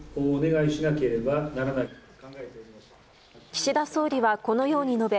岸田総理は、このように述べ